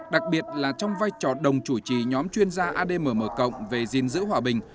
đặc biệt là trong vai trò đồng chủ trì nhóm chuyên gia admm về diên dữ hòa bình